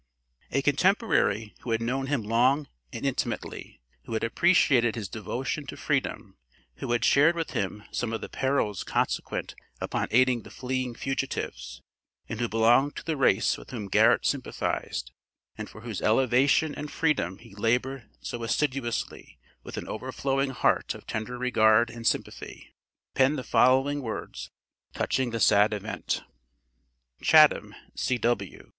A contemporary who had known him long and intimately who had appreciated his devotion to freedom, who had shared with him some of the perils consequent upon aiding the fleeing fugitives, and who belonged to the race with whom Garrett sympathized, and for whose elevation and freedom he labored so assiduously with an overflowing heart of tender regard and sympathy penned the following words, touching the sad event: CHATHAM, C.W.